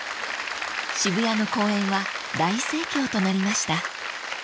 ［渋谷の公演は大盛況となりました］